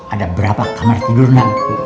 ada berapa kamar tidur na